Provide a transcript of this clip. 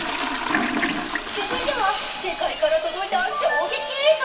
続いては世界から届いた衝撃映像。